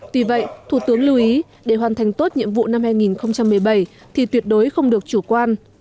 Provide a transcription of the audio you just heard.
tuy vậy thủ tướng lưu ý để hoàn thành tốt nhiệm vụ năm hai nghìn một mươi bảy thì tuyệt đối không được chủ quan